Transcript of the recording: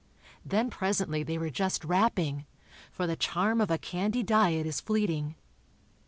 Then presently they were just wrapping, for the charm of a candy diet is fleeting.